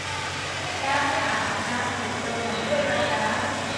น้ำในอ่างอาบน้ำถูกเติมใหม่ด้วยก๊อกน้ำ